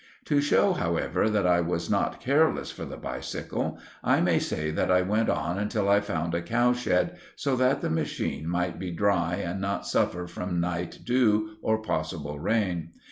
_" To show, however, that I was not careless for the bicycle, I may say that I went on till I found a cowshed, so that the machine might be dry and not suffer from night dew or possible rain.